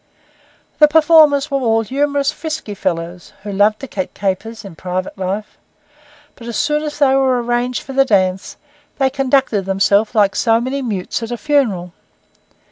The performers were all humorous, frisky fellows, who loved to cut capers in private life; but as soon as they were arranged for the dance, they conducted themselves like so many mutes at a funeral.